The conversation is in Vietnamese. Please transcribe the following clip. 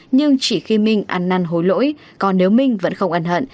nhưng chỉ khi minh ăn năn hối lỗi còn nếu minh vẫn không ăn hận